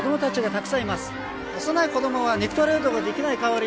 たくさんいます幼い子供は肉体労働ができない代わりに